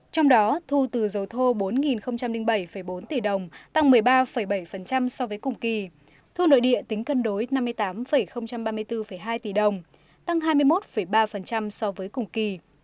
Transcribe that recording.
trong đó thu từ dầu thô bốn bảy bốn tỷ đồng tăng một mươi ba bảy so với cùng kỳ thu nội địa tính cân đối năm mươi tám ba mươi bốn hai tỷ đồng tăng hai mươi một ba so với cùng kỳ